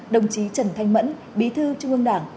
đồng chí trần thanh mẫn bí thư trung ương đảng